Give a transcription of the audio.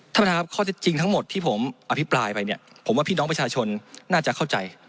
ท่านประธานครับข้อที่จริงทั้งหมดที่ผมอภิปรายไปเนี่ยผมว่าพี่น้องประชาชนน่าจะเข้าใจ